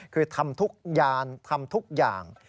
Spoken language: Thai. คือทำทุกยานทำทุกอย่าง